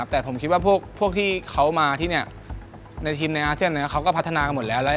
แต่ผมคิดว่าพวกที่เขามาที่นี่ในทีมในอาเซียนเขาก็พัฒนากันหมดแล้ว